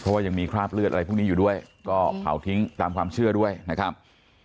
เพราะว่ายังมีคราบเลือดอะไรพวกนี้อยู่ด้วยก็เผาทิ้งตามความเชื่อด้วยนะครับ